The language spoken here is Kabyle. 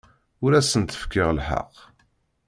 Ur asent-kfiɣ lḥeqq.